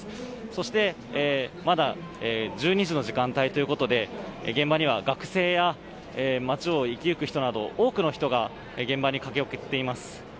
そして、まだ１２時の時間帯ということで現場には学生や街を行く人など多くの人が現場にいます。